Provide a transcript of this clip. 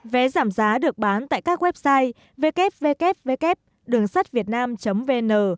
vé giảm giá được bán tại các website www đườngsắtviệtnam vn